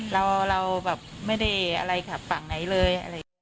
เราเราแบบไม่ได้อะไรขับฝั่งไหนเลย